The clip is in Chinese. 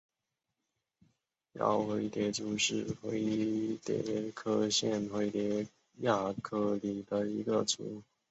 娆灰蝶族是灰蝶科线灰蝶亚科里的一个族。